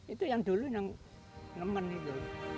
itu yang dulu yang nemen itu